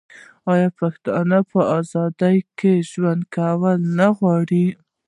آیا پښتون په ازادۍ کې ژوند کول نه غواړي؟